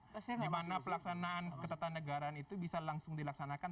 di mana pelaksanaan ketetanegaraan itu bisa langsung dilaksanakan